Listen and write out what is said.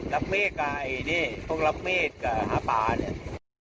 รับเมฆกับไอ้นี่ต้องรับเมฆกับหาปลาเนี่ย